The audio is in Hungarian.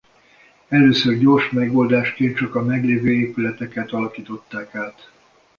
Először gyors megoldásként csak a meglévő épületeket alakították át.